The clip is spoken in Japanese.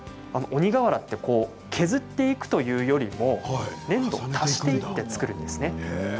鬼がわらってこう削っていくというよりも粘土を足していって作るんですね。